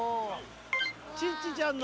チッチちゃんの。